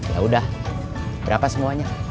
ya udah berapa semuanya